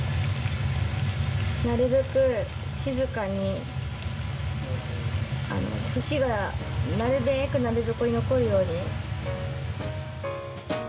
なるべく静かに節がなるべく鍋底に残るように。